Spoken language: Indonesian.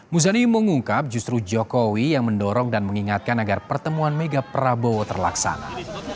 muzani mengungkap justru jokowi yang mendorong dan mengingatkan agar pertemuan mega prabowo terlaksana